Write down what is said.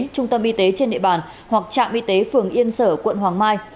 trung tâm y tế trên địa bàn hoặc trạm y tế phường yên sở quận hoàng mai